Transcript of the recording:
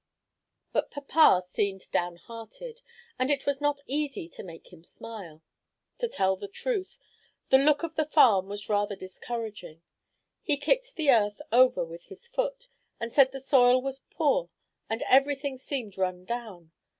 But papa seemed down hearted, and it was not easy to make him smile. To tell the truth, the look of the farm was rather discouraging. He kicked the earth over with his foot, and said the soil was poor and every thing seemed run down.